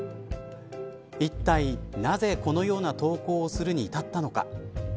いったい、なぜこのような投稿をするに至ったのか。